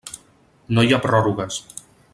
No hi ha pròrrogues.